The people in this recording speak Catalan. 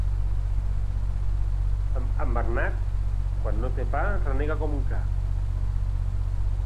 En Bernat, quan no té pa, renega com un ca.